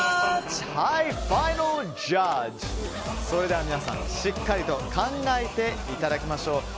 それでは皆さん、しっかりと考えていただきましょう。